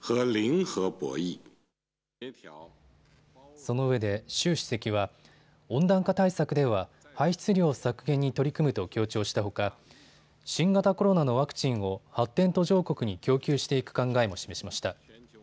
そのうえで習主席は温暖化対策では排出量削減に取り組むと強調したほか新型コロナのワクチンを発展途上国に供給していく考えを示しました。